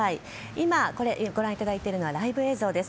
今、ご覧いただいているのはライブ映像です。